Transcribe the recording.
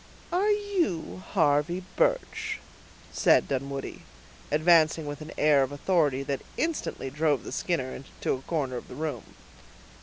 "Are you Harvey Birch?" said Dunwoodie, advancing with an air of authority that instantly drove the Skinner to a corner of the room.